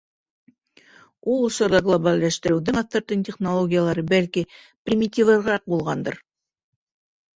Ул осорҙа глобалләштереүҙең аҫтыртын технологиялары, бәлки, примитивыраҡ булғандыр.